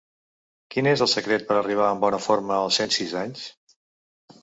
Quin és el secret per arribar amb bona forma amb cent sis anys?